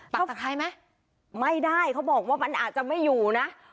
เข้ากับใครไหมไม่ได้เขาบอกว่ามันอาจจะไม่อยู่นะ